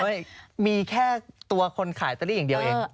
เฮ้ยมีแค่ตัวคนขายอัตรีอย่างเดียวเอง